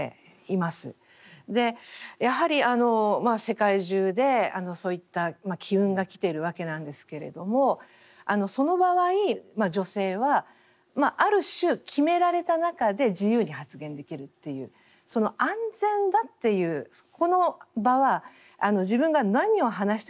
やはり世界中でそういった機運が来てるわけなんですけれどもその場合女性はある種決められた中で自由に発言できるっていうその安全だっていうこの場は自分が何を話しても安全なんだと。